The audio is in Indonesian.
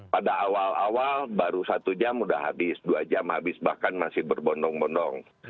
pada awal awal baru satu jam sudah habis dua jam habis bahkan masih berbondong bondong